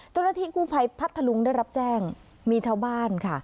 เจ้าหน้าที่กู้ภัยพัทธลุงได้รับแจ้งมีชาวบ้านค่ะ